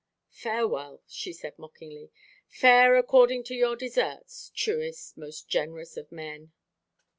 "Farewell," she answered mockingly. "Fare according to your deserts, truest, most generous of men."